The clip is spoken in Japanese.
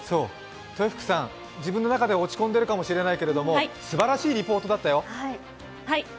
豊福さん、自分の中で落ち込んでいるかもしれないけれどすばらしいリポートだったよ。